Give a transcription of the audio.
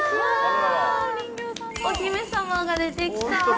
お姫様が出てきた。